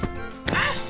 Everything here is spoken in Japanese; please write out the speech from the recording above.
あっ！